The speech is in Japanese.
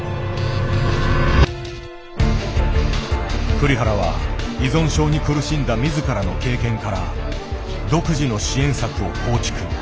栗原は依存症に苦しんだ自らの経験から独自の支援策を構築。